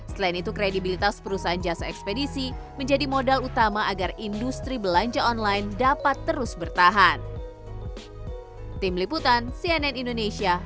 selain itu kredibilitas perusahaan jasa ekspedisi menjadi modal utama agar industri belanja online dapat terus bertahan